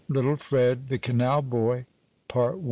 LITTLE FRED, THE CANAL BOY. PART I.